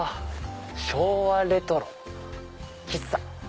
「昭和レトロ喫茶」。